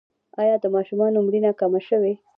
آیا د ماشومانو مړینه کمه شوې؟